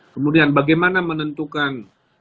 kemudian bagaimana menentukan